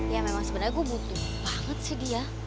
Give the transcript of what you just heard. ya memang sebenarnya gue butuh banget sih dia